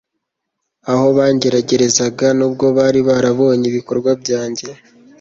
aho bangeragerezaga, n'ubwo bari barabonye ibikorwa byanjye